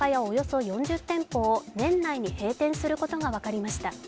およそ４０店舗を年内に閉店することが分かりました。